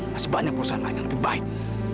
masih banyak perusahaan lain yang lebih baik